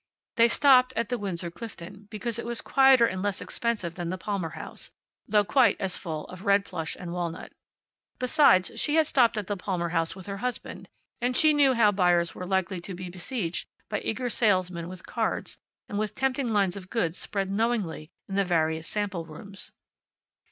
They stopped at the Windsor Clifton, because it was quieter and less expensive than the Palmer House, though quite as full of red plush and walnut. Besides, she had stopped at the Palmer House with her husband, and she knew how buyers were likely to be besieged by eager salesmen with cards, and with tempting lines of goods spread knowingly in the various sample rooms.